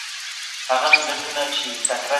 خپل وطن تر پردي وطن خوږ دی.